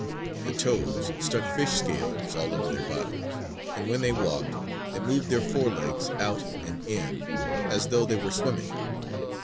The toads stuck fish scales all over their bodies; and when they walked, they moved their forelegs out and in as though they were swimming.